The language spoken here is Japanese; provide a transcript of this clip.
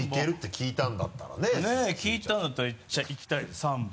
聞いたんだったらいきたい３本。